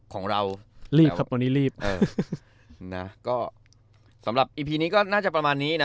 ของเรารีบครับวันนี้รีบเออนะก็สำหรับอีพีนี้ก็น่าจะประมาณนี้นะ